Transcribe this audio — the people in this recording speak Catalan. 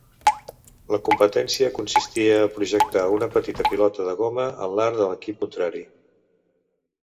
La competència consisteix a projectar una petita pilota de goma en l'arc de l'equip contrari.